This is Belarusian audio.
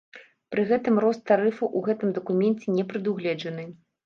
Пры гэтым рост тарыфаў у гэтым дакуменце не прадугледжаны.